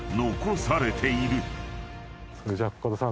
それじゃあコカドさん